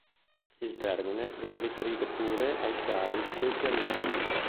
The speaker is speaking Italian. Il termine viene riferito pure ai sali di questi anioni.